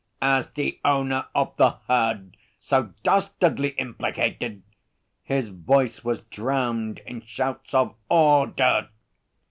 'As the owner of the herd so dastardly implicated ' His voice was drowned in shouts of 'Order!'